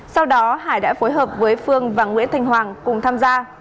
sau đó hải đã phối hợp với phương và nguyễn thành hoàng cùng tham gia